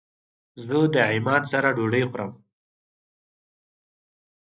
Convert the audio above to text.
زه د عماد سره ډوډی خورم